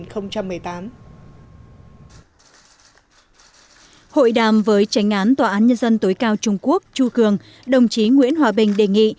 hội đàm với tranh án tòa án nhân dân tối cao trung quốc chu cường đồng chí nguyễn hòa bình đề nghị